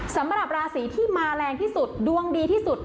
สำหรับราศีที่มาแรงที่สุดดวงดีที่สุด